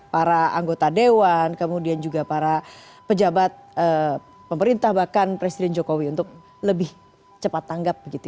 para anggota dewan kemudian juga para pejabat pemerintah bahkan presiden jokowi untuk lebih cepat tanggap